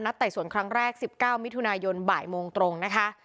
ไต่สวนครั้งแรก๑๙มิถุนายนบ่ายโมงตรงนะคะ